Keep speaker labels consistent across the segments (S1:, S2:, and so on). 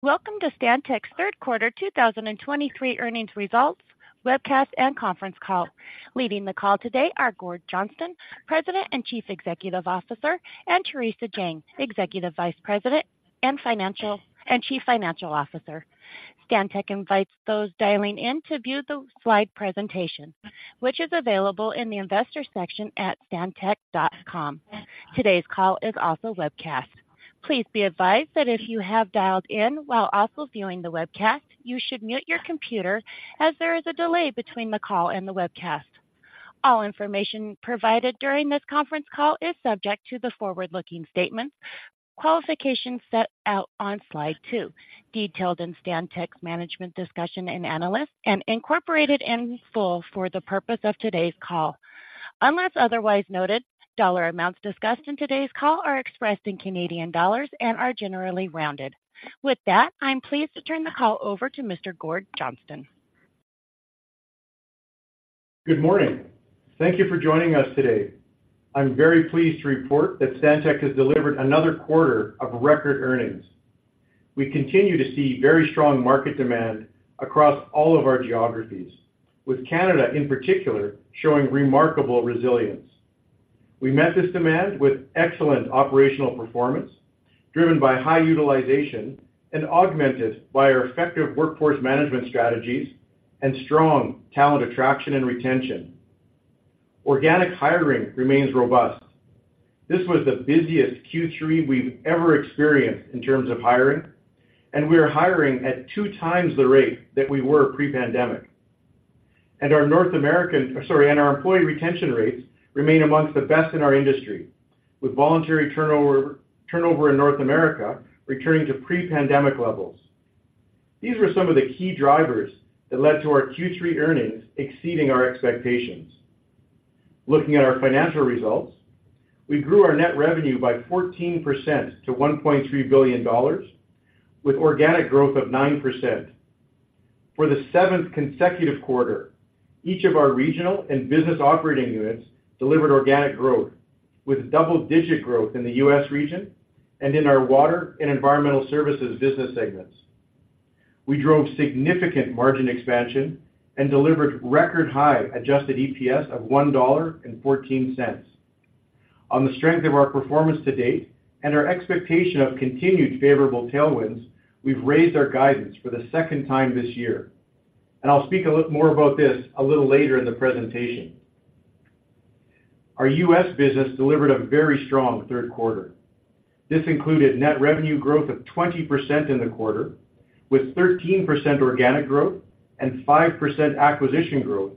S1: Welcome to Stantec's third quarter 2023 earnings results, webcast, and conference call. Leading the call today are Gord Johnston, President and Chief Executive Officer, and Theresa Jang, Executive Vice President and Chief Financial Officer. Stantec invites those dialing in to view the slide presentation, which is available in the investor section at stantec.com. Today's call is also webcast. Please be advised that if you have dialed in while also viewing the webcast, you should mute your computer as there is a delay between the call and the webcast. All information provided during this conference call is subject to the forward-looking statements, qualifications set out on slide two, detailed in Stantec's management discussion and analysis, and incorporated in full for the purpose of today's call. Unless otherwise noted, dollar amounts discussed in today's call are expressed in Canadian dollars and are generally rounded. With that, I'm pleased to turn the call over to Mr. Gord Johnston.
S2: Good morning. Thank you for joining us today. I'm very pleased to report that Stantec has delivered another quarter of record earnings. We continue to see very strong market demand across all of our geographies, with Canada, in particular, showing remarkable resilience. We met this demand with excellent operational performance, driven by high utilization and augmented by our effective workforce management strategies and strong talent attraction and retention. Organic hiring remains robust. This was the busiest Q3 we've ever experienced in terms of hiring, and we are hiring at 2x the rate that we were pre-pandemic. And our employee retention rates remain among the best in our industry, with voluntary turnover in North America returning to pre-pandemic levels. These were some of the key drivers that led to our Q3 earnings exceeding our expectations. Looking at our financial results, we grew our net revenue by 14% to 1.3 billion dollars, with organic growth of 9%. For the seventh consecutive quarter, each of our regional and business operating units delivered organic growth, with double-digit growth in the U.S. region and in our water and environmental services business segments. We drove significant margin expansion and delivered record-high adjusted EPS of 1.14 dollar. On the strength of our performance to date and our expectation of continued favorable tailwinds, we've raised our guidance for the second time this year, and I'll speak a little more about this a little later in the presentation. Our U.S. business delivered a very strong third quarter. This included net revenue growth of 20% in the quarter, with 13% organic growth and 5% acquisition growth,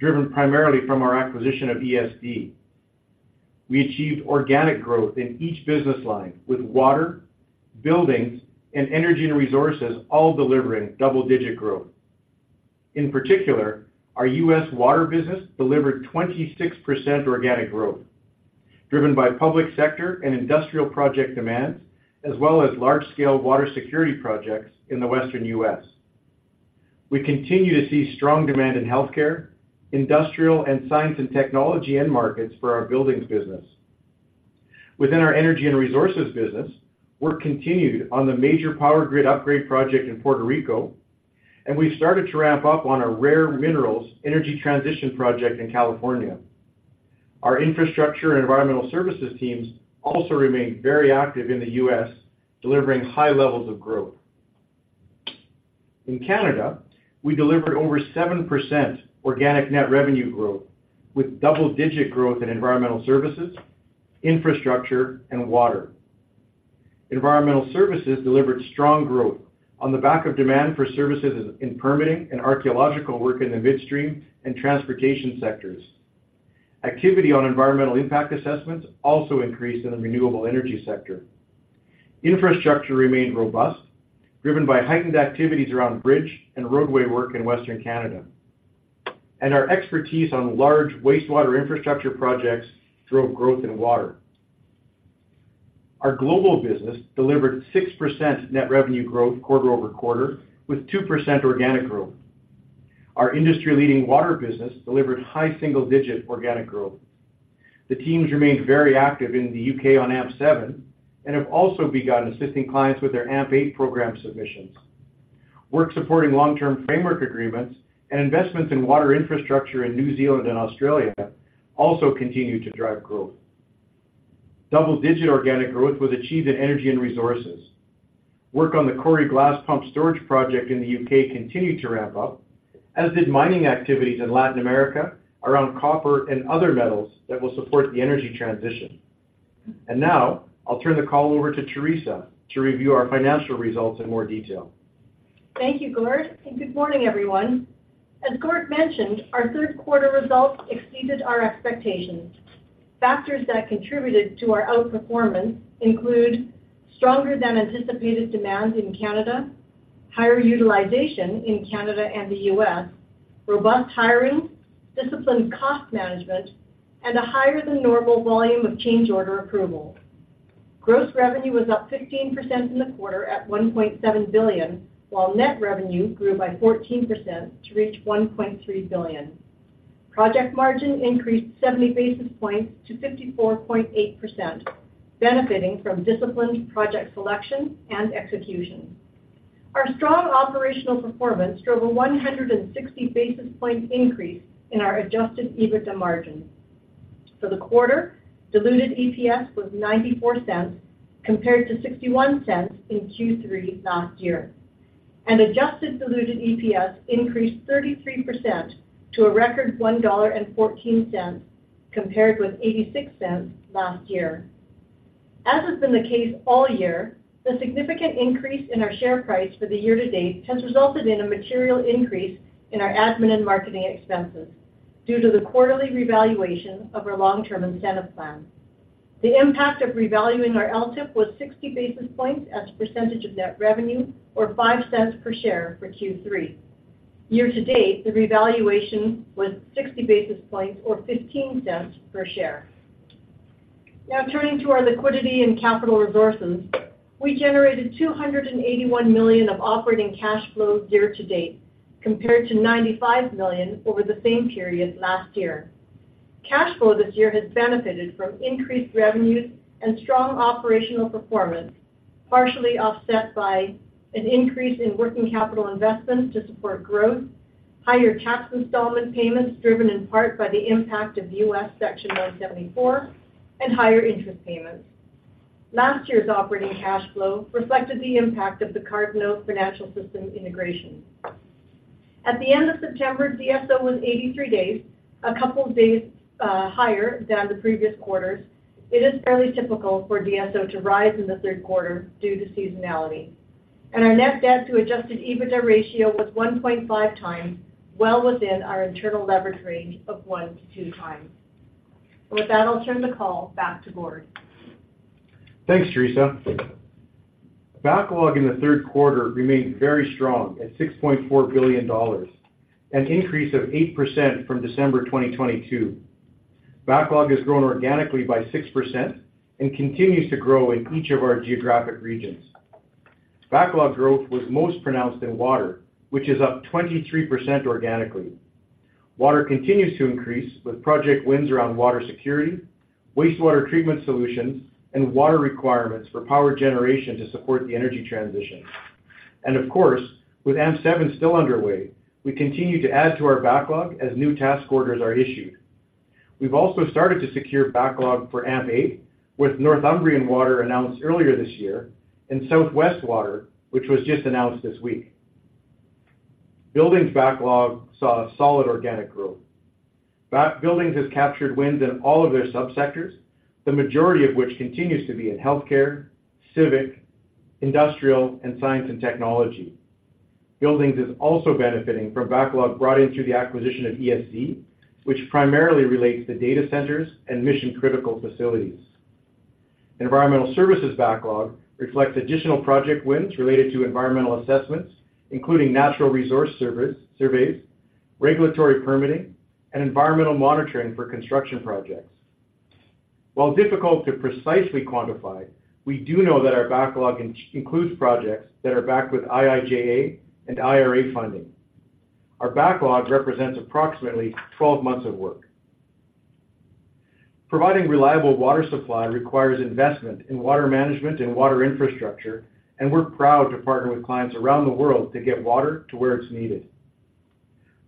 S2: driven primarily from our acquisition of ESD. We achieved organic growth in each business line, with water, buildings, and energy and resources all delivering double-digit growth. In particular, our U.S. water business delivered 26% organic growth, driven by public sector and industrial project demands, as well as large-scale water security projects in the Western U.S. We continue to see strong demand in healthcare, industrial, and science and technology end markets for our buildings business. Within our energy and resources business, work continued on the major power grid upgrade project in Puerto Rico, and we started to ramp up on our rare minerals energy transition project in California. Our infrastructure and environmental services teams also remained very active in the U.S., delivering high levels of growth. In Canada, we delivered over 7% organic net revenue growth, with double-digit growth in environmental services, infrastructure, and water. Environmental services delivered strong growth on the back of demand for services in permitting and archaeological work in the midstream and transportation sectors. Activity on environmental impact assessments also increased in the renewable energy sector. Infrastructure remained robust, driven by heightened activities around bridge and roadway work in Western Canada. Our expertise on large wastewater infrastructure projects drove growth in water. Our global business delivered 6% net revenue growth quarter over quarter, with 2% organic growth. Our industry-leading water business delivered high single-digit organic growth. The teams remained very active in the U.K. on AMP7 and have also begun assisting clients with their AMP8 program submissions. Work supporting long-term framework agreements and investments in water infrastructure in New Zealand and Australia also continued to drive growth. Double-digit organic growth was achieved in energy and resources. Work on the Coire Glas Pumped Storage project in the U.K. continued to ramp up, as did mining activities in Latin America around copper and other metals that will support the energy transition. Now, I'll turn the call over to Theresa to review our financial results in more detail.
S3: Thank you, Gord, and good morning, everyone. As Gord mentioned, our third quarter results exceeded our expectations. Factors that contributed to our outperformance include stronger than anticipated demand in Canada, higher utilization in Canada and the U.S, robust hiring, disciplined cost management, and a higher than normal volume of change order approval. Gross revenue was up 15% in the quarter at 1.7 billion, while net revenue grew by 14% to reach 1.3 billion. ... Project margin increased 70 basis points to 54.8%, benefiting from disciplined project selection and execution. Our strong operational performance drove a 160 basis point increase in our adjusted EBITDA margin. For the quarter, diluted EPS was 0.94, compared to 0.61 in Q3 last year, and adjusted diluted EPS increased 33% to a record 1.14 dollar, compared with 0.86 last year. As has been the case all year, the significant increase in our share price for the year to date has resulted in a material increase in our admin and marketing expenses due to the quarterly revaluation of our long-term incentive plan. The impact of revaluing our LTIP was 60 basis points as a percentage of net revenue, or 0.05 per share for Q3. Year to date, the revaluation was 60 basis points or 0.15 per share. Now, turning to our liquidity and capital resources. We generated 281 million of operating cash flow year to date, compared to 95 million over the same period last year. Cash flow this year has benefited from increased revenues and strong operational performance, partially offset by an increase in working capital investments to support growth, higher tax installment payments, driven in part by the impact of US Section 174, and higher interest payments. Last year's operating cash flow reflected the impact of the Cardno Financial Systems integration. At the end of September, DSO was 83 days, a couple of days higher than the previous quarters. It is fairly typical for DSO to rise in the third quarter due to seasonality, and our net debt to adjusted EBITDA ratio was 1.5 times, well within our internal leverage range of 1-2 times. With that, I'll turn the call back to Gord.
S2: Thanks, Theresa. Backlog in the third quarter remained very strong at 6.4 billion dollars, an increase of 8% from December 2022. Backlog has grown organically by 6% and continues to grow in each of our geographic regions. Backlog growth was most pronounced in water, which is up 23% organically. Water continues to increase, with project wins around water security, wastewater treatment solutions, and water requirements for power generation to support the energy transition. And of course, with AMP7 still underway, we continue to add to our backlog as new task orders are issued. We've also started to secure backlog for AMP8, with Northumbrian Water announced earlier this year, and South West Water, which was just announced this week. Buildings backlog saw a solid organic growth. Buildings has captured wins in all of their subsectors, the majority of which continues to be in healthcare, civic, industrial, and science and technology. Buildings is also benefiting from backlog brought in through the acquisition of ESD, which primarily relates to data centers and mission-critical facilities. Environmental services backlog reflects additional project wins related to environmental assessments, including natural resource surveys, regulatory permitting, and environmental monitoring for construction projects. While difficult to precisely quantify, we do know that our backlog includes projects that are backed with IIJA and IRA funding. Our backlog represents approximately 12 months of work. Providing reliable water supply requires investment in water management and water infrastructure, and we're proud to partner with clients around the world to get water to where it's needed.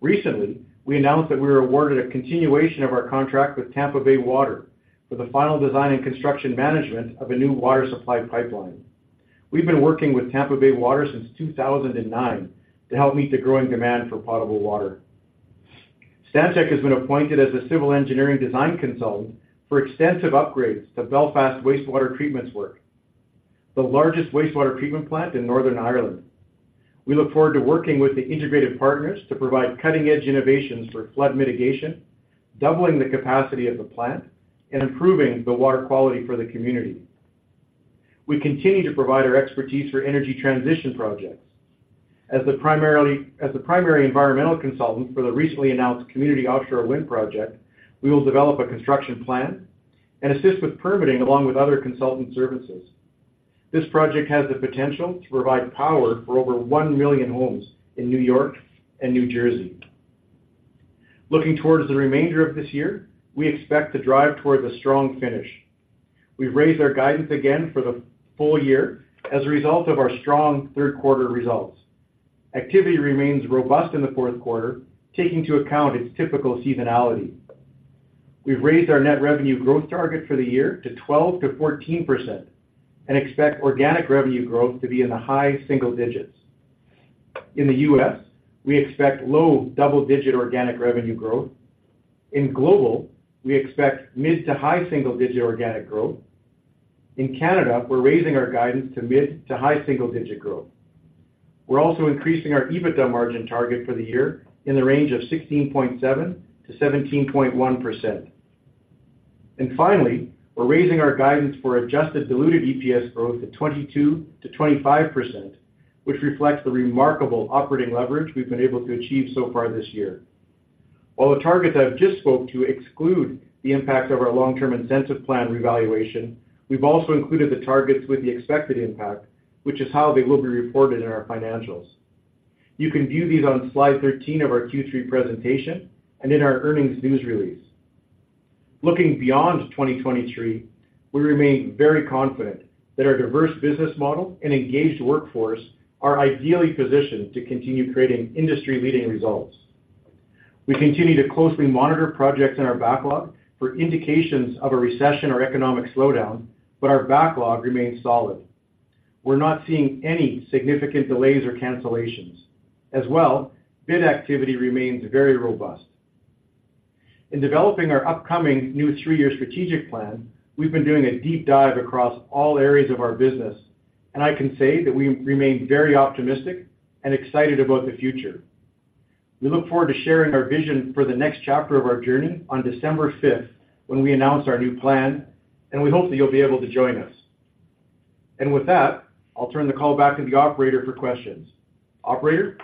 S2: Recently, we announced that we were awarded a continuation of our contract with Tampa Bay Water for the final design and construction management of a new water supply pipeline. We've been working with Tampa Bay Water since 2009 to help meet the growing demand for potable water. Stantec has been appointed as a civil engineering design consultant for extensive upgrades to Belfast Wastewater Treatment Works, the largest wastewater treatment plant in Northern Ireland. We look forward to working with the integrated partners to provide cutting-edge innovations for flood mitigation, doubling the capacity of the plant, and improving the water quality for the community. We continue to provide our expertise for energy transition projects. As the primary environmental consultant for the recently announced Community Offshore Wind project, we will develop a construction plan and assist with permitting, along with other consultant services. This project has the potential to provide power for over 1 million homes in New York and New Jersey. Looking towards the remainder of this year, we expect to drive towards a strong finish. We've raised our guidance again for the full year as a result of our strong third quarter results. Activity remains robust in the fourth quarter, taking into account its typical seasonality. We've raised our net revenue growth target for the year to 12%-14% and expect organic revenue growth to be in the high single digits. In the U.S., we expect low double-digit organic revenue growth. In Global, we expect mid to high single-digit organic growth. In Canada, we're raising our guidance to mid to high single-digit growth. We're also increasing our EBITDA margin target for the year in the range of 16.7%-17.1%. Finally, we're raising our guidance for Adjusted Diluted EPS growth to 22%-25%, which reflects the remarkable operating leverage we've been able to achieve so far this year. While the targets I've just spoke to exclude the impact of our Long-Term Incentive Plan revaluation, we've also included the targets with the expected impact.... which is how they will be reported in our financials. You can view these on slide 13 of our Q3 presentation and in our earnings news release. Looking beyond 2023, we remain very confident that our diverse business model and engaged workforce are ideally positioned to continue creating industry-leading results. We continue to closely monitor projects in our backlog for indications of a recession or economic slowdown, but our backlog remains solid. We're not seeing any significant delays or cancellations. As well, bid activity remains very robust. In developing our upcoming new 3-year strategic plan, we've been doing a deep dive across all areas of our business, and I can say that we remain very optimistic and excited about the future. We look forward to sharing our vision for the next chapter of our journey on December fifth, when we announce our new plan, and we hope that you'll be able to join us. With that, I'll turn the call back to the operator for questions. Operator?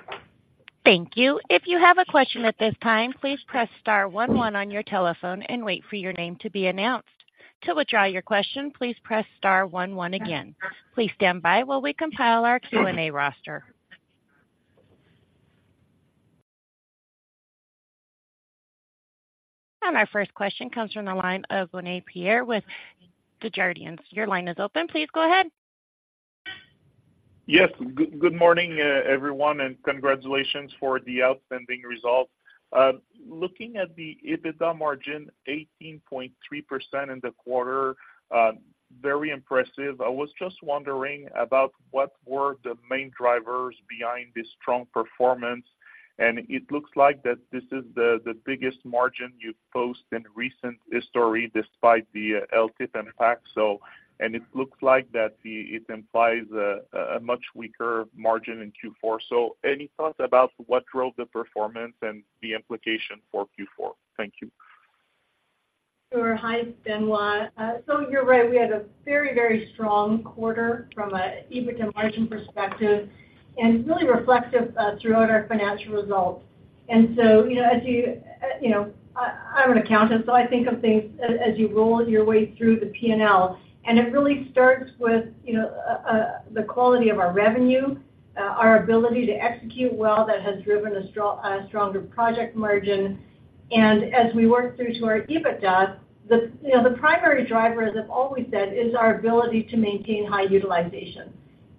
S1: Thank you. If you have a question at this time, please press star one one on your telephone and wait for your name to be announced. To withdraw your question, please press star one one again. Please stand by while we compile our Q&A roster. Our first question comes from the line of Benoit Poirier with Desjardins. Your line is open. Please go ahead.
S4: Yes, good morning, everyone, and congratulations for the outstanding results. Looking at the EBITDA margin, 18.3% in the quarter, very impressive. I was just wondering about what were the main drivers behind this strong performance? And it looks like that this is the, the biggest margin you've posted in recent history, despite the, LTIP impact. So, and it looks like that the-- it implies a, a much weaker margin in Q4. So any thoughts about what drove the performance and the implication for Q4? Thank you.
S3: Sure. Hi, Benoit. So you're right, we had a very, very strong quarter from a EBITDA margin perspective and really reflective throughout our financial results. And so, you know, as you know, I'm an accountant, so I think of things as you roll your way through the P&L, and it really starts with, you know, the quality of our revenue, our ability to execute well, that has driven a stronger project margin. And as we work through to our EBITDA, you know, the primary driver, as I've always said, is our ability to maintain high utilization.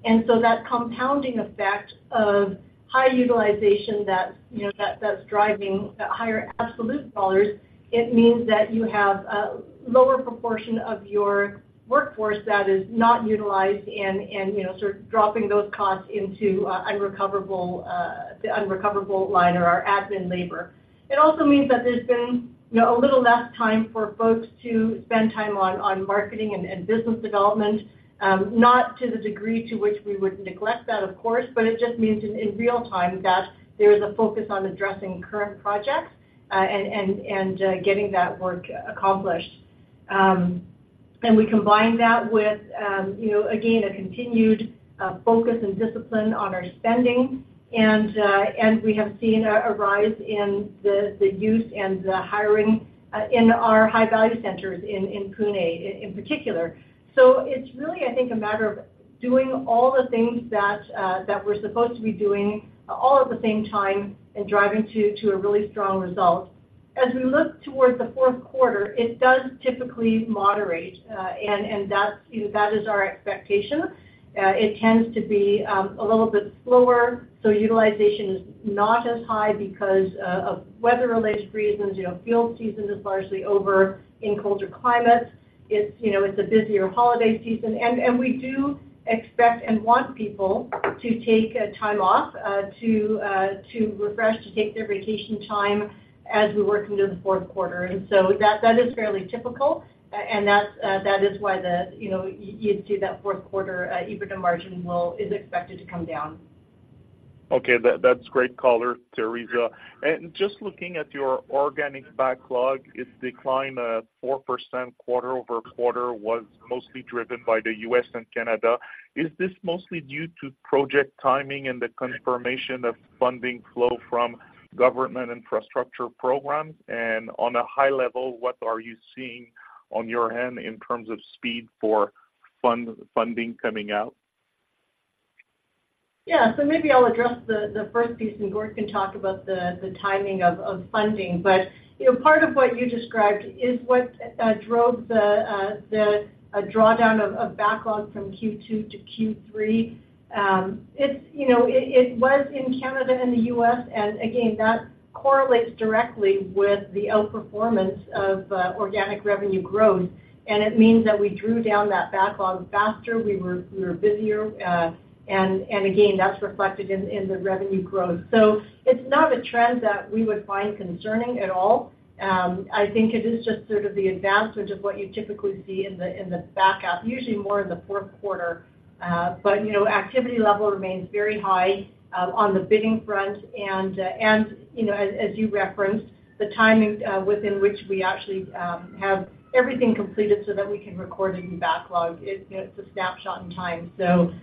S3: And so that compounding effect of high utilization that, you know, that's driving higher absolute dollars, it means that you have a lower proportion of your workforce that is not utilized and, you know, sort of dropping those costs into unrecoverable, the unrecoverable line or our admin labor. It also means that there's been, you know, a little less time for folks to spend time on marketing and business development, not to the degree to which we would neglect that, of course, but it just means in real time that there is a focus on addressing current projects and getting that work accomplished. And we combine that with, you know, again, a continued focus and discipline on our spending. We have seen a rise in the use and the hiring in our high-value centers in Pune, in particular. So it's really, I think, a matter of doing all the things that we're supposed to be doing all at the same time and driving to a really strong result. As we look towards the fourth quarter, it does typically moderate, and that's, you know, that is our expectation. It tends to be a little bit slower, so utilization is not as high because of weather-related reasons. You know, field season is largely over in colder climates. It's, you know, it's a busier holiday season, and we do expect and want people to take time off to refresh, to take their vacation time as we work into the fourth quarter. So that is fairly typical, and that's why, you know, you'd see that fourth quarter EBITDA margin is expected to come down.
S4: Okay, that, that's great color, Theresa. And just looking at your organic backlog, its decline, 4% quarter-over-quarter was mostly driven by the U.S. and Canada. Is this mostly due to project timing and the confirmation of funding flow from government infrastructure programs? And on a high level, what are you seeing on your end in terms of speed for funding coming out?
S3: Yeah. So maybe I'll address the first piece, and Gord can talk about the timing of funding. But, you know, part of what you described is what drove the drawdown of backlog from Q2 to Q3. It's, you know, it was in Canada and the U.S., and again, that correlates directly with the outperformance of organic revenue growth, and it means that we drew down that backlog faster. We were busier. And again, that's reflected in the revenue growth. So it's not a trend that we would find concerning at all. I think it is just sort of the advancement of what you typically see in the backlog, usually more in the fourth quarter. But, you know, activity level remains very high on the bidding front. And you know, as you referenced, the timing within which we actually have everything completed so that we can record a new backlog, it you know, it's a snapshot in time. So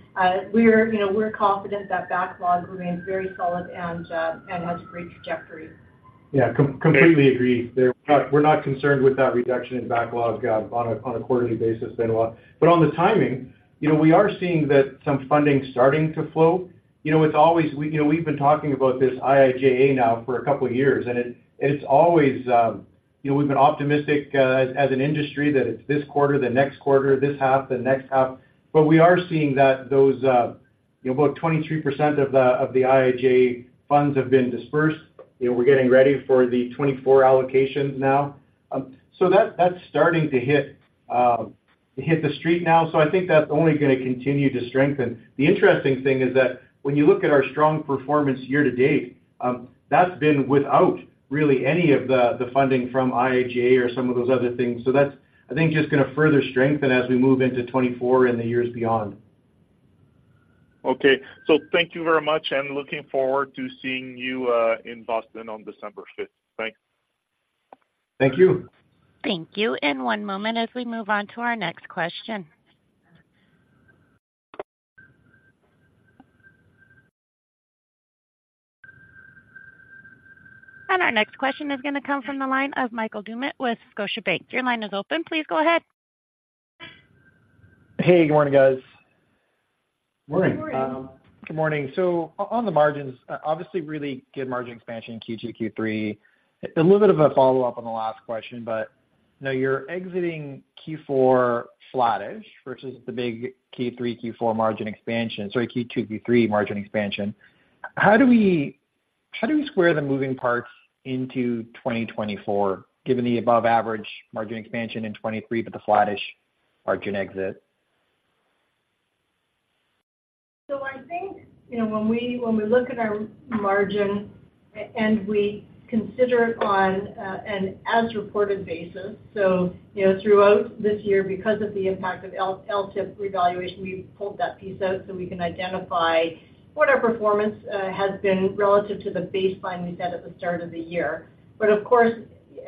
S3: we're you know, we're confident that backlog remains very solid and has great trajectory....
S2: Yeah, completely agree there. We're not, we're not concerned with that reduction in backlog on a quarterly basis, Benoit. But on the timing, you know, we are seeing that some funding starting to flow. You know, it's always, we, you know, we've been talking about this IIJA now for a couple of years, and it, it's always, you know, we've been optimistic as an industry that it's this quarter, the next quarter, this half, the next half. But we are seeing that those, you know, about 23% of the IIJA funds have been dispersed. You know, we're getting ready for the 2024 allocations now. So that's starting to hit to hit the street now, so I think that's only gonna continue to strengthen. The interesting thing is that when you look at our strong performance year to date, that's been without really any of the, the funding from IIJA or some of those other things. So that's, I think, just gonna further strengthen as we move into 2024 and the years beyond.
S4: Okay. So thank you very much, and looking forward to seeing you in Boston on December fifth. Thanks.
S2: Thank you.
S1: Thank you. And one moment as we move on to our next question. And our next question is gonna come from the line of Michael Doumet with Scotiabank. Your line is open. Please go ahead.
S5: Hey, good morning, guys.
S2: Morning.
S5: Good morning. Good morning. So on the margins, obviously, really good margin expansion in Q2, Q3. A little bit of a follow-up on the last question, but now you're exiting Q4 flattish versus the big Q3, Q4 margin expansion, sorry, Q2, Q3 margin expansion. How do we, how do we square the moving parts into 2024, given the above-average margin expansion in 2023, but the flattish margin exit?
S3: So I think, you know, when we look at our margin and we consider it on an as-reported basis, so, you know, throughout this year, because of the impact of LTIP revaluation, we've pulled that piece out so we can identify what our performance has been relative to the baseline we set at the start of the year. But of course,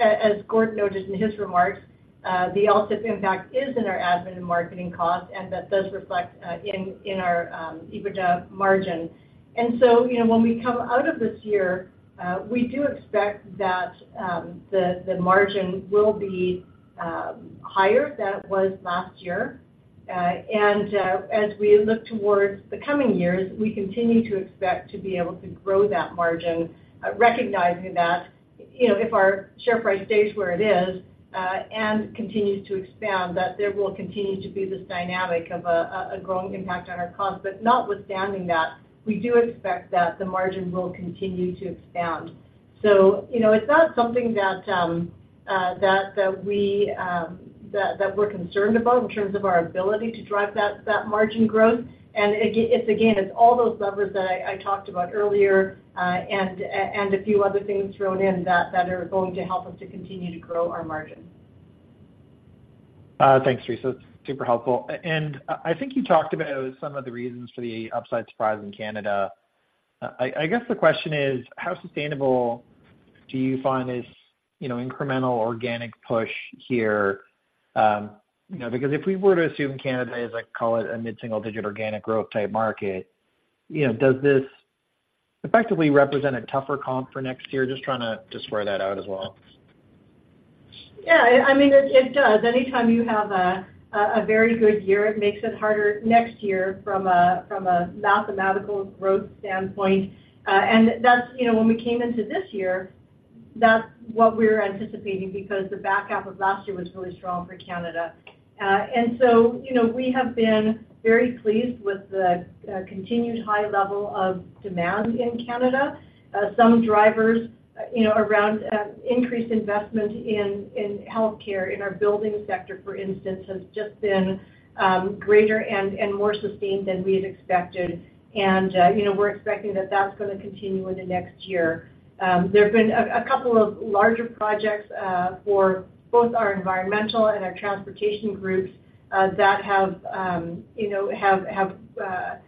S3: as Gord noted in his remarks, the LTIP impact is in our admin and marketing costs, and that does reflect in our EBITDA margin. And so, you know, when we come out of this year, we do expect that the margin will be higher than it was last year. As we look toward the coming years, we continue to expect to be able to grow that margin, recognizing that, you know, if our share price stays where it is, and continues to expand, that there will continue to be this dynamic of a growing impact on our costs. But notwithstanding that, we do expect that the margin will continue to expand. So, you know, it's not something that we are concerned about in terms of our ability to drive that margin growth. And again, it's all those levers that I talked about earlier, and a few other things thrown in that are going to help us to continue to grow our margin.
S5: Thanks, Theresa. It's super helpful. And I think you talked about some of the reasons for the upside surprise in Canada. I guess the question is: How sustainable do you find this, you know, incremental organic push here? You know, because if we were to assume Canada is, like, call it a mid-single-digit organic growth type market, you know, does this effectively represent a tougher comp for next year? Just trying to square that out as well.
S3: Yeah, I mean, it does. Anytime you have a very good year, it makes it harder next year from a mathematical growth standpoint. And that's... You know, when we came into this year, that's what we were anticipating because the back half of last year was really strong for Canada. And so, you know, we have been very pleased with the continued high level of demand in Canada. Some drivers, you know, around increased investment in healthcare, in our building sector, for instance, has just been greater and more sustained than we had expected. And, you know, we're expecting that that's gonna continue into next year. There have been a couple of larger projects for both our environmental and our transportation groups that have, you know,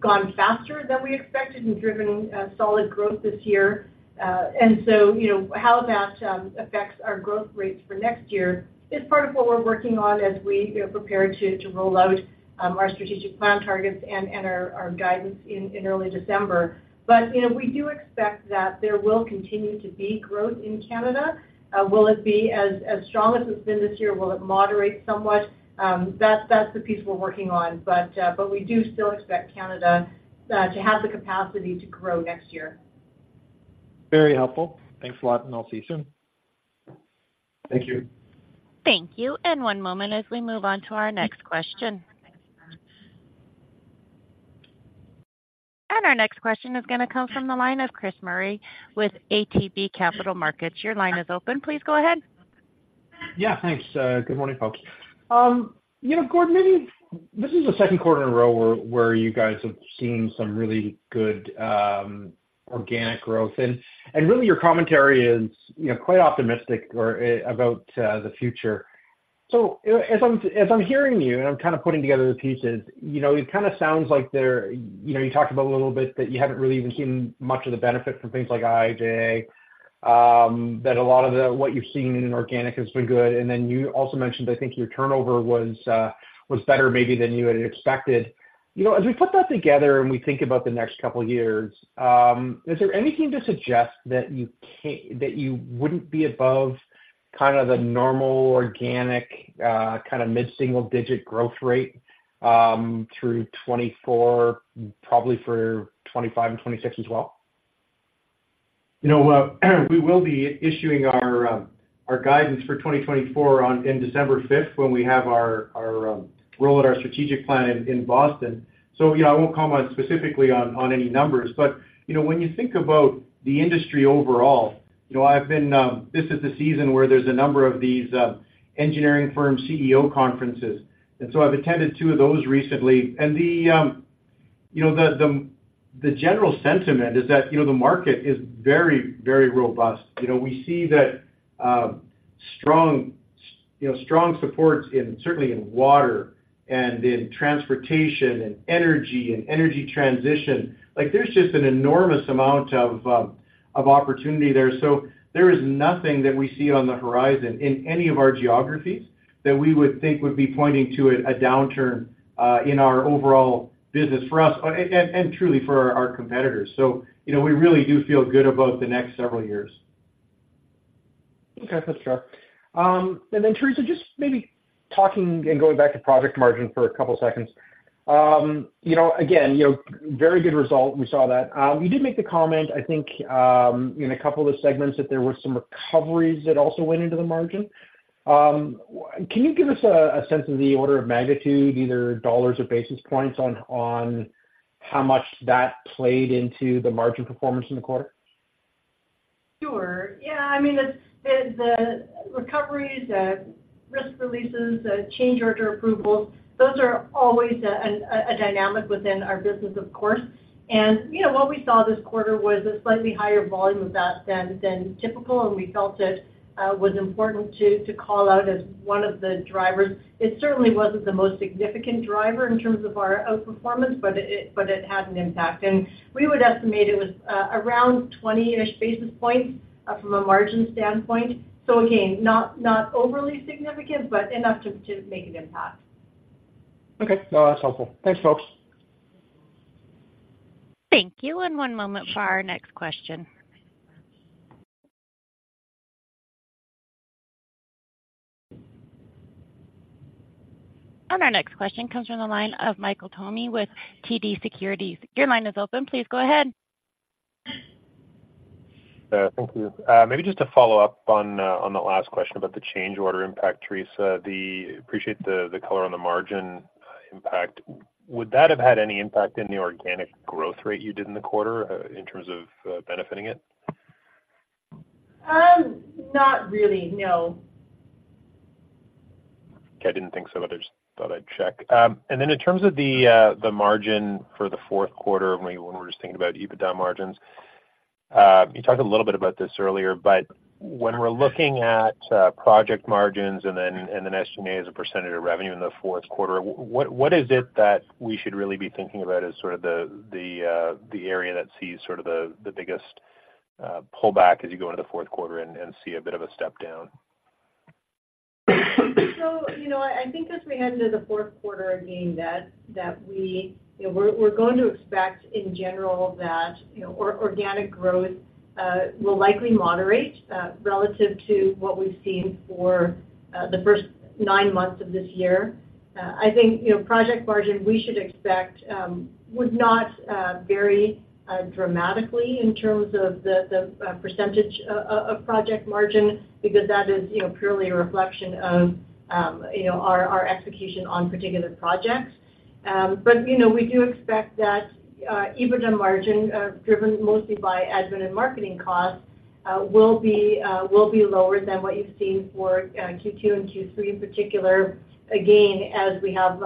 S3: gone faster than we expected and driven solid growth this year. And so, you know, how that affects our growth rates for next year is part of what we're working on as we, you know, prepare to roll out our strategic plan targets and our guidance in early December. But, you know, we do expect that there will continue to be growth in Canada. Will it be as strong as it's been this year? Will it moderate somewhat? That's the piece we're working on. But we do still expect Canada to have the capacity to grow next year.
S5: Very helpful. Thanks a lot, and I'll see you soon.
S2: Thank you.
S1: Thank you. And one moment as we move on to our next question. And our next question is gonna come from the line of Chris Murray with ATB Capital Markets. Your line is open. Please go ahead.
S6: Yeah, thanks. Good morning, folks. You know, Gord, maybe this is the second quarter in a row where you guys have seen some really good organic growth, and really your commentary is, you know, quite optimistic or about the future. So as I'm hearing you, and I'm kind of putting together the pieces, you know, it kind of sounds like there, you know, you talked about a little bit, that you haven't really even seen much of the benefit from things like IIJA... that a lot of the, what you've seen in organic has been good. And then you also mentioned, I think, your turnover was better maybe than you had expected. You know, as we put that together and we think about the next couple of years, is there anything to suggest that you wouldn't be above kind of the normal organic, kind of mid-single-digit growth rate, through 2024, probably for 2025 and 2026 as well?
S2: You know, we will be issuing our guidance for 2024 on December 5th, when we have our roll out of our strategic plan in Boston. So, you know, I won't comment specifically on any numbers. But, you know, when you think about the industry overall, you know, I've been, this is the season where there's a number of these engineering firm CEO conferences, and so I've attended two of those recently. And the general sentiment is that, you know, the market is very, very robust. You know, we see that strong support in, certainly in water and in transportation and energy and energy transition. Like, there's just an enormous amount of opportunity there. So there is nothing that we see on the horizon in any of our geographies that we would think would be pointing to a downturn in our overall business for us, and truly for our competitors. So, you know, we really do feel good about the next several years.
S6: Okay, that's fair. And then, Theresa, just maybe talking and going back to project margin for a couple of seconds. You know, again, you know, very good result, we saw that. You did make the comment, I think, in a couple of segments, that there were some recoveries that also went into the margin. Can you give us a sense of the order of magnitude, either dollars or basis points, on how much that played into the margin performance in the quarter?
S3: Sure. Yeah, I mean, the recoveries, the risk releases, the change order approvals, those are always a dynamic within our business, of course. And, you know, what we saw this quarter was a slightly higher volume of that than typical, and we felt it was important to call out as one of the drivers. It certainly wasn't the most significant driver in terms of our outperformance, but it had an impact, and we would estimate it was around 20-ish basis points from a margin standpoint. So again, not overly significant, but enough to make an impact.
S6: Okay. No, that's helpful. Thanks, folks.
S1: Thank you, and one moment for our next question. Our next question comes from the line of Michael Tupholme with TD Securities. Your line is open. Please go ahead.
S7: Thank you. Maybe just to follow up on the last question about the change order impact, Theresa, appreciate the color on the margin impact. Would that have had any impact in the organic growth rate you did in the quarter, in terms of benefiting it?
S3: Not really, no.
S7: Okay. I didn't think so, but I just thought I'd check. And then in terms of the margin for the fourth quarter, when we're just thinking about EBITDA margins, you talked a little bit about this earlier, but when we're looking at project margins and then SG&A as a percentage of revenue in the fourth quarter, what, what is it that we should really be thinking about as sort of the area that sees sort of the biggest pullback as you go into the fourth quarter and see a bit of a step down?
S3: So, you know, I think as we head into the fourth quarter, again, that we, you know, we're going to expect in general that, you know, organic growth will likely moderate relative to what we've seen for the first nine months of this year. I think, you know, project margin we should expect would not vary dramatically in terms of the percentage of project margin, because that is, you know, purely a reflection of our execution on particular projects. But, you know, we do expect that EBITDA margin, driven mostly by admin and marketing costs, will be lower than what you've seen for Q2 and Q3 in particular. Again, as we have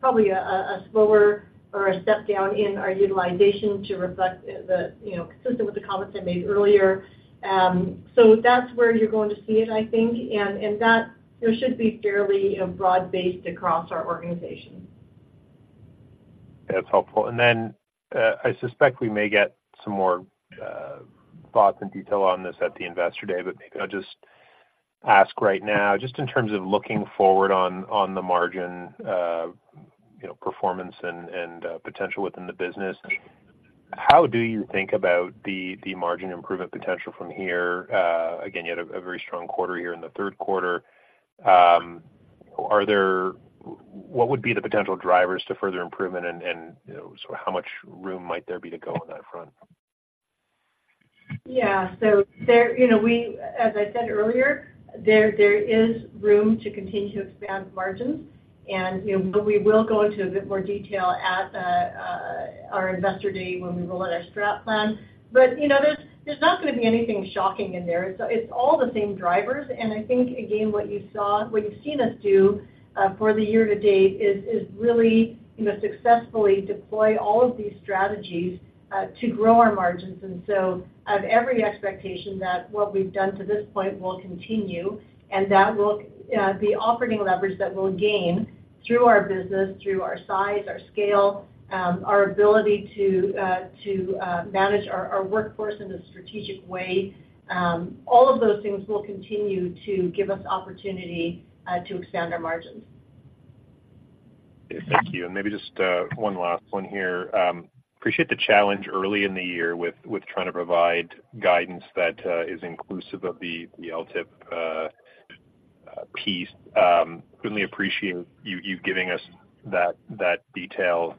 S3: probably a slower or a step down in our utilization to reflect the, you know, consistent with the comments I made earlier. So that's where you're going to see it, I think, and that it should be fairly, you know, broad-based across our organization.
S7: That's helpful. And then, I suspect we may get some more thoughts and detail on this at the Investor Day, but maybe I'll just ask right now. Just in terms of looking forward on the margin, you know, performance and potential within the business, how do you think about the margin improvement potential from here? Again, you had a very strong quarter here in the third quarter. What would be the potential drivers to further improvement and, you know, sort of how much room might there be to go on that front?
S3: Yeah. So, you know, as I said earlier, there is room to continue to expand margins and, you know, but we will go into a bit more detail at our Investor Day when we roll out our strat plan. But, you know, there's not gonna be anything shocking in there. It's all the same drivers, and I think, again, what you saw- what you've seen us do for the year to date is really, you know, successfully deploy all of these strategies to grow our margins. And so I have every expectation that what we've done to this point will continue, and that will the operating leverage that we'll gain-... through our business, through our size, our scale, our ability to manage our workforce in a strategic way, all of those things will continue to give us opportunity to expand our margins.
S7: Thank you. And maybe just one last one here. Appreciate the challenge early in the year with trying to provide guidance that is inclusive of the LTIP piece. Certainly appreciate you giving us that detail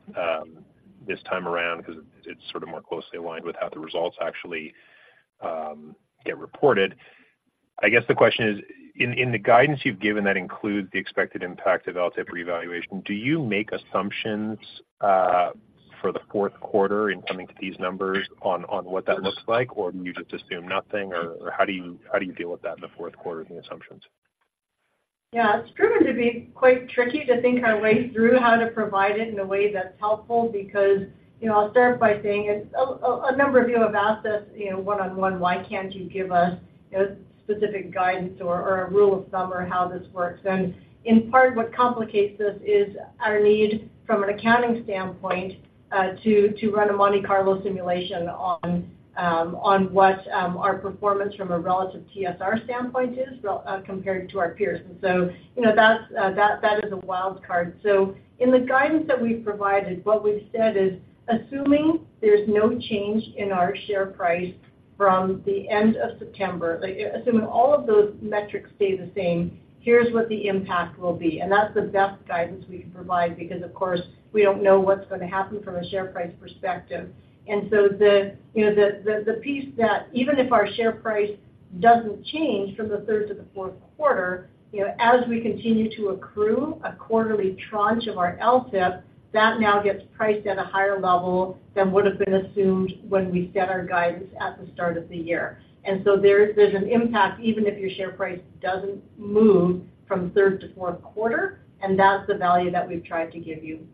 S7: this time around, because it's sort of more closely aligned with how the results actually get reported. I guess the question is, in the guidance you've given that includes the expected impact of LTIP revaluation, do you make assumptions for the fourth quarter in coming to these numbers on what that looks like? Or do you just assume nothing, or how do you deal with that in the fourth quarter in the assumptions?
S3: Yeah, it's proven to be quite tricky to think our way through how to provide it in a way that's helpful, because, you know, I'll start by saying a number of you have asked us, you know, one-on-one, why can't you give us, you know, specific guidance or, or a rule of thumb or how this works? And in part, what complicates this is our need, from an accounting standpoint, to run a Monte Carlo simulation on what our performance from a relative TSR standpoint is, well, compared to our peers. And so, you know, that's, that is a wild card. So in the guidance that we've provided, what we've said is, assuming there's no change in our share price from the end of September, like, assuming all of those metrics stay the same, here's what the impact will be. And that's the best guidance we can provide, because, of course, we don't know what's gonna happen from a share price perspective. And so the, you know, the piece that even if our share price doesn't change from the third to the fourth quarter, you know, as we continue to accrue a quarterly tranche of our LTIP, that now gets priced at a higher level than would have been assumed when we set our guidance at the start of the year. And so there's an impact, even if your share price doesn't move from third to fourth quarter, and that's the value that we've tried to give you.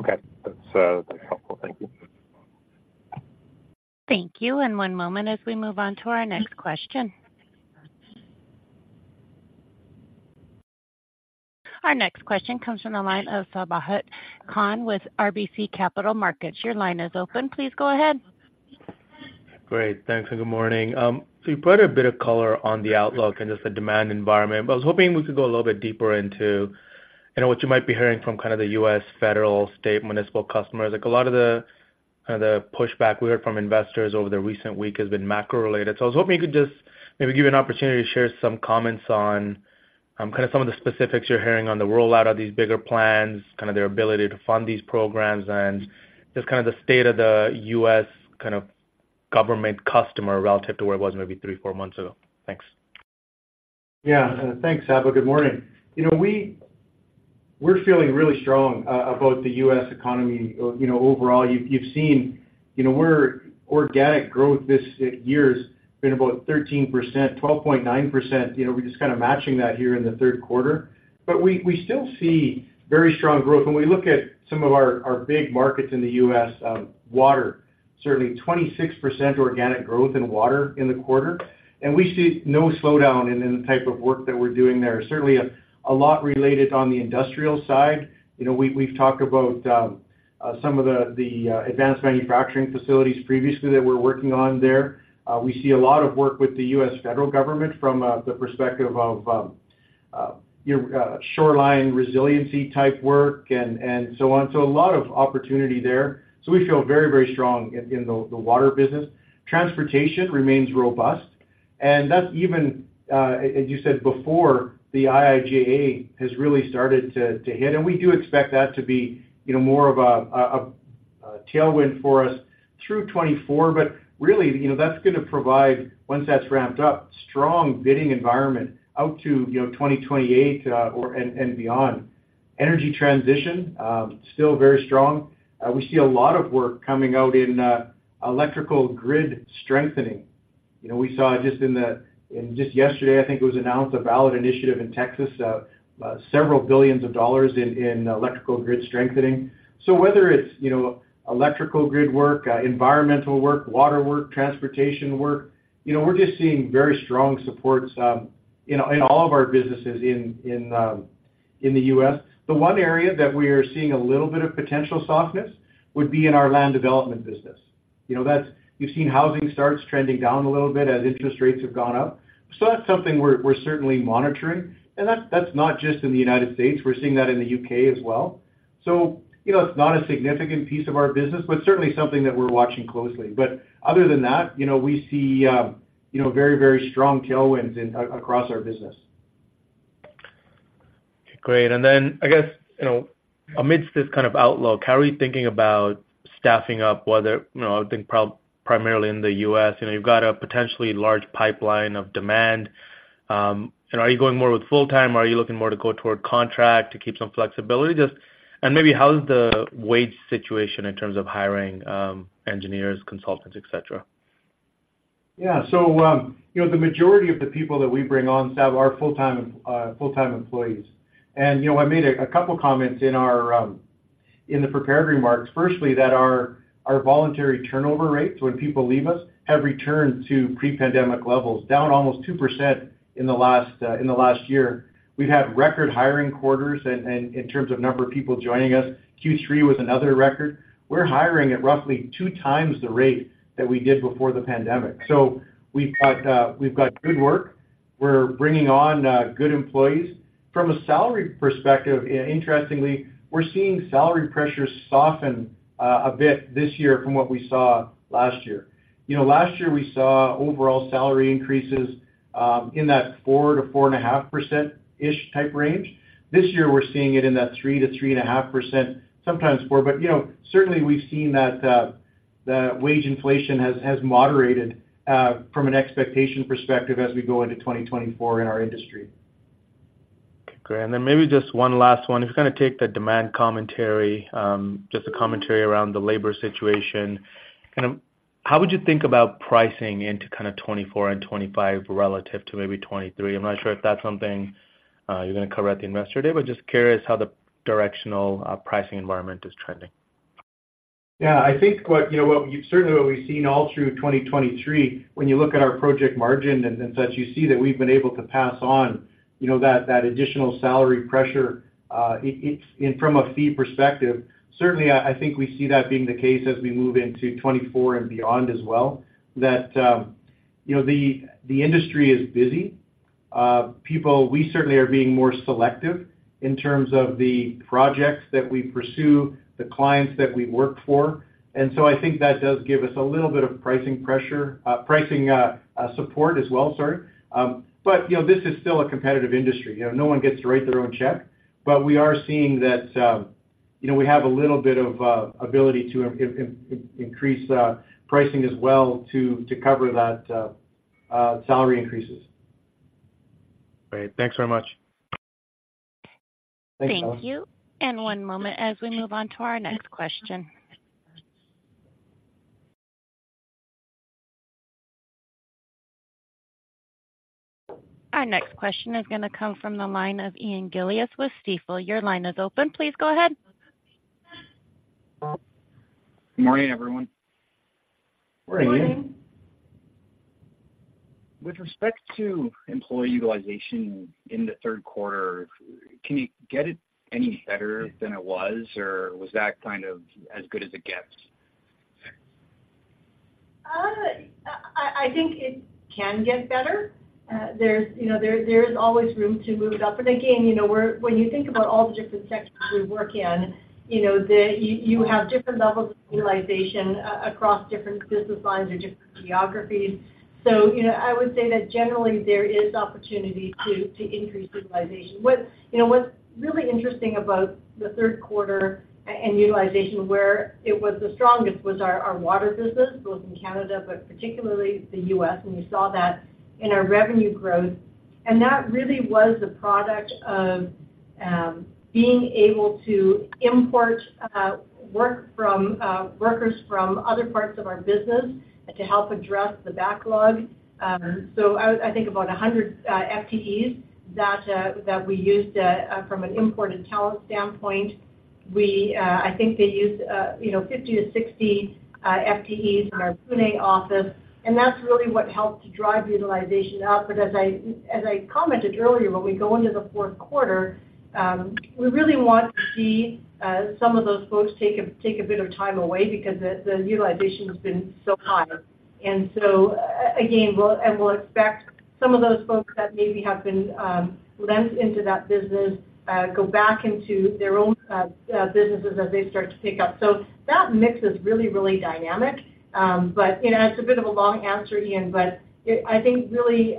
S7: Okay. That's, that's helpful. Thank you.
S1: Thank you. One moment as we move on to our next question. Our next question comes from the line of Sabahat Khan with RBC Capital Markets. Your line is open. Please go ahead.
S8: Great. Thanks, and good morning. So you provided a bit of color on the outlook and just the demand environment, but I was hoping we could go a little bit deeper into, you know, what you might be hearing from kind of the U.S. federal, state, municipal customers. Like a lot of the, kind of the pushback we heard from investors over the recent week has been macro-related. So I was hoping you could just maybe give you an opportunity to share some comments on, kind of some of the specifics you're hearing on the rollout of these bigger plans, kind of their ability to fund these programs, and just kind of the state of the U.S., kind of, government customer relative to where it was maybe three, four months ago. Thanks.
S2: Yeah. Thanks, Sabahat. Good morning. You know, we're feeling really strong about the U.S. economy. You know, overall, you've seen, you know, our organic growth this year has been about 13%, 12.9%. You know, we're just kind of matching that here in the third quarter. But we still see very strong growth. When we look at some of our big markets in the U.S., water, certainly 26% organic growth in water in the quarter, and we see no slowdown in the type of work that we're doing there. Certainly a lot related on the industrial side. You know, we've talked about some of the advanced manufacturing facilities previously that we're working on there. We see a lot of work with the U.S. federal government from the perspective of your shoreline resiliency type work and so on. So a lot of opportunity there. So we feel very, very strong in the water business. Transportation remains robust, and that's even as you said before, the IIJA has really started to hit, and we do expect that to be, you know, more of a tailwind for us through 2024. But really, you know, that's gonna provide, once that's ramped up, strong bidding environment out to, you know, 2028 or and beyond. Energy transition still very strong. We see a lot of work coming out in electrical grid strengthening. You know, we saw just yesterday, I think it was announced, a ballot initiative in Texas, $ several billion in electrical grid strengthening. So whether it's, you know, electrical grid work, environmental work, water work, transportation work, you know, we're just seeing very strong supports in all of our businesses in the US. The one area that we are seeing a little bit of potential softness would be in our land development business. You know, that's... You've seen housing starts trending down a little bit as interest rates have gone up. So that's something we're certainly monitoring, and that's not just in the United States, we're seeing that in the UK as well. So, you know, it's not a significant piece of our business, but certainly something that we're watching closely. But other than that, you know, we see, you know, very, very strong tailwinds in, across our business.
S8: Great. And then I guess, you know, amidst this kind of outlook, how are you thinking about staffing up, whether, you know, I would think primarily in the U.S., you know, you've got a potentially large pipeline of demand, and are you going more with full-time, or are you looking more to go toward contract to keep some flexibility? Just, and maybe how's the wage situation in terms of hiring, engineers, consultants, et cetera?
S2: Yeah. So, you know, the majority of the people that we bring on, Sab, are full-time employees. And, you know, I made a couple comments in the prepared remarks. Firstly, that our voluntary turnover rates, when people leave us, have returned to pre-pandemic levels, down almost 2% in the last year. We've had record hiring quarters, and in terms of number of people joining us, Q3 was another record. We're hiring at roughly two times the rate that we did before the pandemic. So we've got good work. We're bringing on good employees. From a salary perspective, interestingly, we're seeing salary pressures soften a bit this year from what we saw last year. You know, last year we saw overall salary increases in that 4%-4.5% ish type range. This year, we're seeing it in that 3%-3.5%, sometimes 4%, but, you know, certainly we've seen that the wage inflation has moderated from an expectation perspective as we go into 2024 in our industry.
S8: Okay, great. And then maybe just one last one. If you kind of take the demand commentary, just a commentary around the labor situation, kind of how would you think about pricing into kind of 2024 and 2025 relative to maybe 2023? I'm not sure if that's something you're gonna cover at the Investor Day, but just curious how the directional pricing environment is trending.
S2: Yeah, I think what, you know what, certainly what we've seen all through 2023, when you look at our project margin and such, you see that we've been able to pass on, you know, that additional salary pressure. It's, and from a fee perspective, certainly I think we see that being the case as we move into 2024 and beyond as well, that you know, the industry is busy. We certainly are being more selective in terms of the projects that we pursue, the clients that we work for. And so I think that does give us a little bit of pricing pressure, pricing support as well, sorry. But you know, this is still a competitive industry. You know, no one gets to write their own check, but we are seeing that, you know, we have a little bit of ability to increase pricing as well to cover that salary increases.
S8: Great. Thanks very much.
S2: Thanks, Alan.
S1: Thank you. One moment as we move on to our next question. Our next question is gonna come from the line of Ian Gillies with Stifel. Your line is open. Please go ahead.
S9: Good morning, everyone.
S2: Morning.
S3: Morning.
S9: With respect to employee utilization in the third quarter, can you get it any better than it was, or was that kind of as good as it gets?
S3: I think it can get better. There's, you know, always room to move it up. And again, you know, we're, when you think about all the different sectors we work in, you know, the... You have different levels of utilization across different business lines or different geographies. So, you know, I would say that generally there is opportunity to increase utilization. You know, what's really interesting about the third quarter and utilization, where it was the strongest was our water business, both in Canada, but particularly the U.S., and you saw that in our revenue growth. And that really was the product of being able to import work from workers from other parts of our business to help address the backlog. So, I think about 100 FTEs that we used from an imported talent standpoint. I think they used, you know, 50-60 FTEs in our Pune office, and that's really what helped to drive utilization up. But as I commented earlier, when we go into the fourth quarter, we really want to see some of those folks take a bit of time away because the utilization has been so high. And so again, we'll expect some of those folks that maybe have been lent into that business go back into their own businesses as they start to pick up. So that mix is really, really dynamic. But, you know, it's a bit of a long answer, Ian, but it, I think really,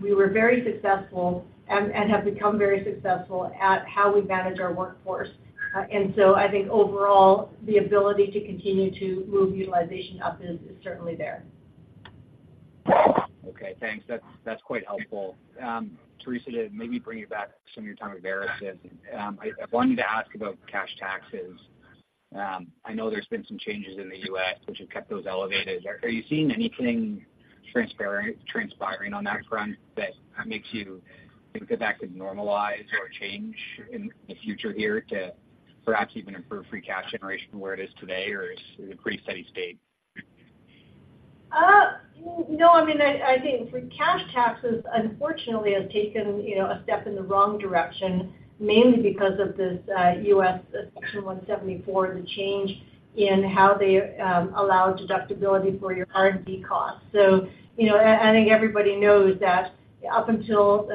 S3: we were very successful and have become very successful at how we manage our workforce. And so I think overall, the ability to continue to move utilization up is certainly there.
S9: Okay, thanks. That's, that's quite helpful. Theresa, to maybe bring you back to some of your time at Barrick. I wanted to ask about cash taxes. I know there's been some changes in the U.S., which have kept those elevated. Are you seeing anything transpiring on that front that makes you think that that could normalize or change in the future here to perhaps even improve free cash generation from where it is today, or is it a pretty steady state?
S3: No, I mean, I think free cash taxes, unfortunately, have taken, you know, a step in the wrong direction, mainly because of this US Section 174, the change in how they allow deductibility for your R&D costs. So, you know, I think everybody knows that up until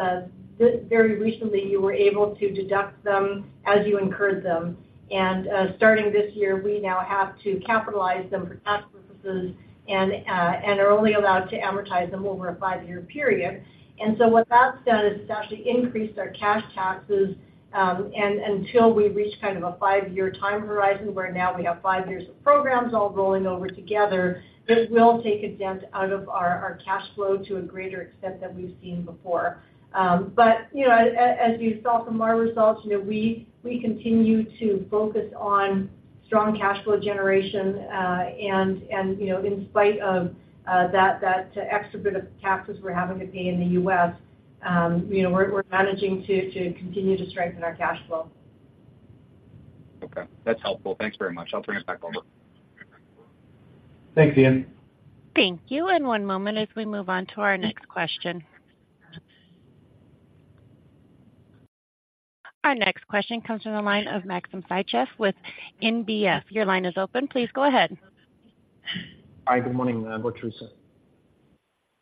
S3: very recently, you were able to deduct them as you incurred them. And starting this year, we now have to capitalize them for tax purposes and are only allowed to amortize them over a five-year period. And so what that's done is it's actually increased our cash taxes, and until we reach kind of a five-year time horizon, where now we have five years of programs all rolling over together, this will take a dent out of our cash flow to a greater extent than we've seen before. But, you know, as you saw from our results, you know, we continue to focus on-... strong cash flow generation, and you know, in spite of that extra bit of taxes we're having to pay in the U.S., you know, we're managing to continue to strengthen our cash flow.
S9: Okay, that's helpful. Thanks very much. I'll turn it back over.
S2: Thanks, Ian.
S1: Thank you. One moment as we move on to our next question. Our next question comes from the line of Maxim Sytchev with NBF. Your line is open. Please go ahead.
S10: Hi, good morning, both Theresa.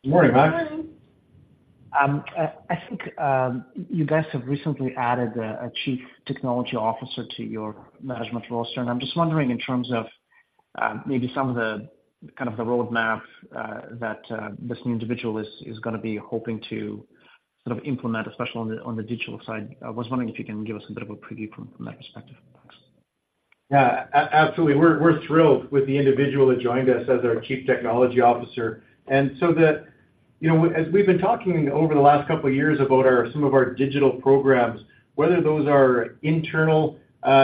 S2: Good morning, Max.
S3: Good morning.
S10: I think, you guys have recently added a chief technology officer to your management roster, and I'm just wondering in terms of, maybe some of the, kind of the roadmap, that this new individual is gonna be hoping to sort of implement, especially on the digital side. I was wondering if you can give us a bit of a preview from that perspective. Thanks.
S2: Yeah, absolutely. We're thrilled with the individual that joined us as our Chief Technology Officer. You know, as we've been talking over the last couple of years about some of our digital programs, whether those are internal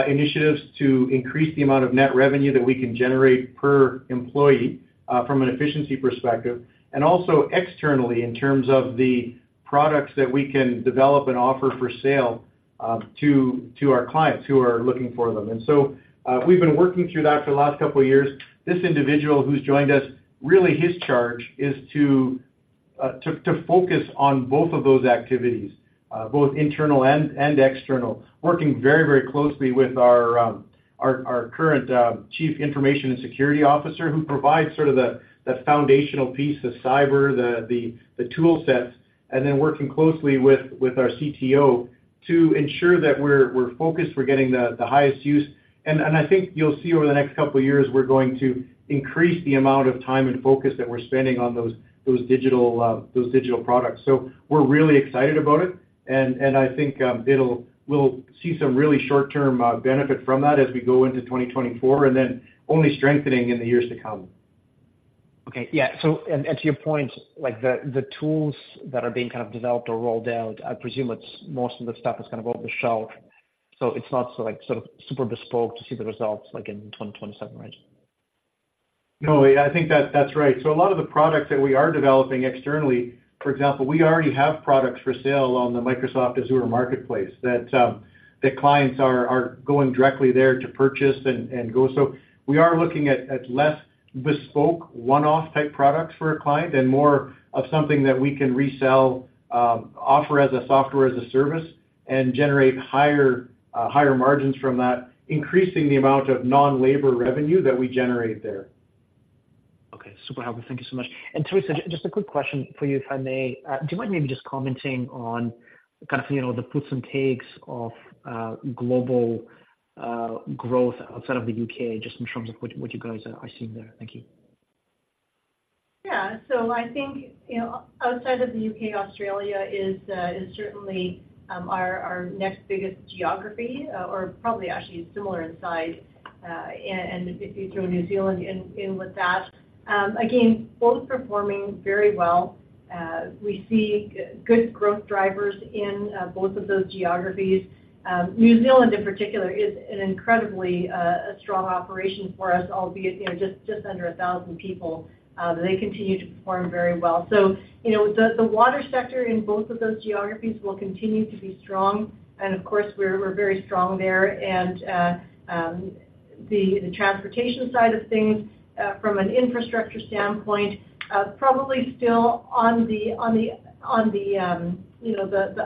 S2: initiatives to increase the amount of net revenue that we can generate per employee from an efficiency perspective, and also externally in terms of the products that we can develop and offer for sale to our clients who are looking for them. And so we've been working through that for the last couple of years. This individual who's joined us, really, his charge is to focus on both of those activities, both internal and external, working very, very closely with our our current chief information and security officer, who provides sort of the foundational piece, the cyber, the tool sets, and then working closely with our CTO to ensure that we're focused, we're getting the highest use. And I think you'll see over the next couple of years, we're going to increase the amount of time and focus that we're spending on those digital products. So we're really excited about it, and I think we'll see some really short-term benefit from that as we go into 2024, and then only strengthening in the years to come.
S10: Okay. Yeah, so to your point, like, the tools that are being kind of developed or rolled out, I presume it's most of the stuff is kind of off-the-shelf, so it's not so like sort of super bespoke to see the results like in 2027, right?
S2: No, I think that's right. So a lot of the products that we are developing externally, for example, we already have products for sale on the Microsoft Azure Marketplace, that clients are going directly there to purchase and go. So we are looking at less bespoke, one-off type products for a client and more of something that we can resell, offer as a software as a service, and generate higher margins from that, increasing the amount of non-labor revenue that we generate there.
S10: Okay. Super helpful. Thank you so much. And Theresa, just a quick question for you, if I may. Do you mind maybe just commenting on kind of, you know, the puts and takes of global growth outside of the UK, just in terms of what, what you guys are seeing there? Thank you.
S3: Yeah. So I think, you know, outside of the UK, Australia is certainly our next biggest geography, or probably actually similar in size, and if you throw New Zealand in with that. Again, both performing very well. We see good growth drivers in both of those geographies. New Zealand in particular is an incredibly strong operation for us, albeit, you know, just under 1,000 people. They continue to perform very well. So, you know, the water sector in both of those geographies will continue to be strong, and of course, we're very strong there. The transportation side of things, from an infrastructure standpoint, probably still on the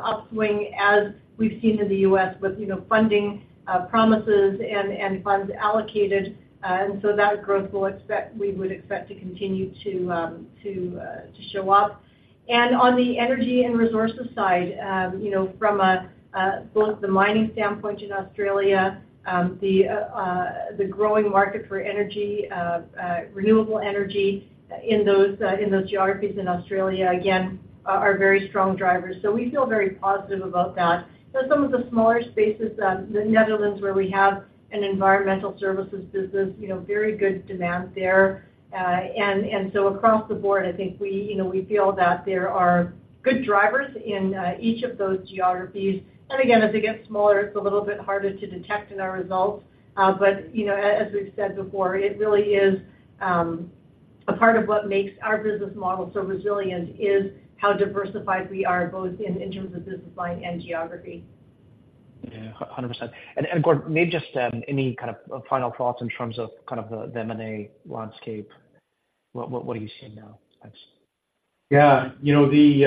S3: upswing as we've seen in the U.S. with, you know, funding promises and funds allocated. So that growth we would expect to continue to show up. On the energy and resources side, you know, from both the mining standpoint in Australia, the growing market for energy, renewable energy in those geographies in Australia, again, are very strong drivers. So we feel very positive about that. So some of the smaller spaces, the Netherlands, where we have an environmental services business, you know, very good demand there. And so across the board, I think we, you know, we feel that there are good drivers in each of those geographies. And again, as it gets smaller, it's a little bit harder to detect in our results. But you know, as we've said before, it really is a part of what makes our business model so resilient is how diversified we are, both in terms of business line and geography.
S10: Yeah, 100%. And Gord, maybe just any kind of final thoughts in terms of kind of the M&A landscape? What are you seeing now? Thanks.
S2: Yeah. You know, the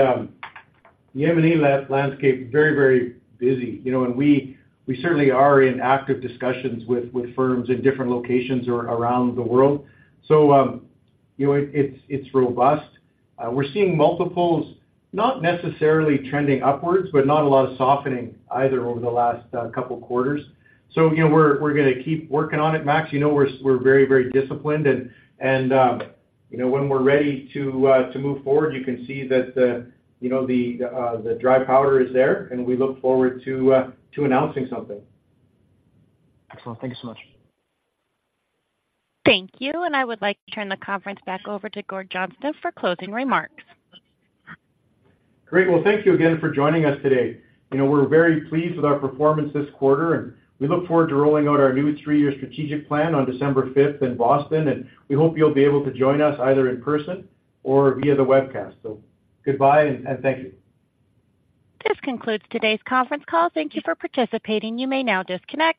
S2: M&A landscape, very, very busy. You know, and we certainly are in active discussions with firms in different locations around the world. So, you know, it's robust. We're seeing multiples, not necessarily trending upwards, but not a lot of softening either over the last couple of quarters. So, you know, we're gonna keep working on it, Max. You know, we're very, very disciplined and, you know, when we're ready to move forward, you can see that the dry powder is there, and we look forward to announcing something.
S10: Excellent. Thank you so much.
S1: Thank you, and I would like to turn the conference back over to Gord Johnston for closing remarks.
S2: Great. Well, thank you again for joining us today. You know, we're very pleased with our performance this quarter, and we look forward to rolling out our new three-year strategic plan on December fifth in Boston, and we hope you'll be able to join us either in person or via the webcast. So goodbye, and, and thank you.
S1: This concludes today's conference call. Thank you for participating. You may now disconnect.